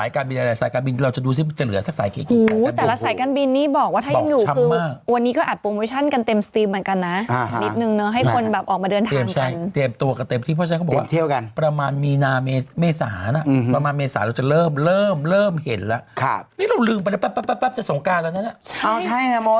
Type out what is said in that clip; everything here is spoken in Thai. ค่ะนี่เราลืมไปแล้วปั๊ปจะสงการแล้วนะเนอะใช่อ้าวใช่อะมดมีนามีสระเดือนหนึ่งหนึ่งหลัก